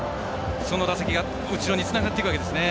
その打席が後ろにつながっていくわけですね。